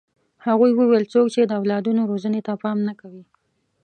هغوی وویل څوک چې د اولادونو روزنې ته پام نه کوي.